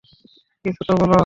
কিছু তো বল?